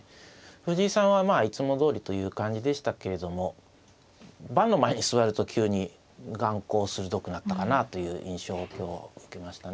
藤井さんはまあいつもどおりという感じでしたけれども盤の前に座ると急に眼光鋭くなったかなという印象を今日は受けましたね。